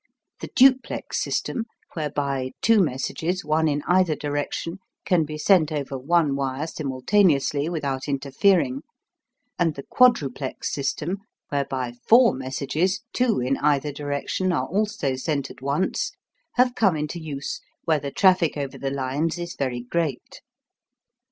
The "duplex system," whereby two messages, one in either direction, can be sent over one wire simultaneously without interfering, and the quadruplex system, whereby four messages, two in either direction, are also sent at once, have come into use where the traffic over the lines is very great.